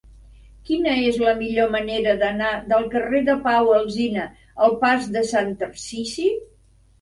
Quina és la millor manera d'anar del carrer de Pau Alsina al pas de Sant Tarsici?